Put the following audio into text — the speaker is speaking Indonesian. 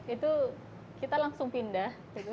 itu kita langsung pindah